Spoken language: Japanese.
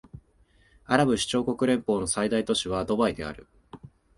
アラブ首長国連邦の最大都市はドバイである